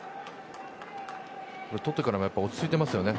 捕ってからも落ち着いてますよね。